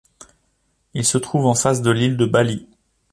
Il se trouve en face de l'île de Bali.